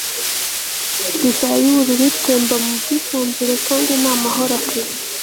Divayi yubururu itemba mu bwisanzure kandi nta mahoro afite